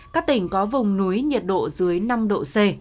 các tỉnh có vùng núi nhiệt độ dưới năm độ c